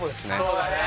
そうだね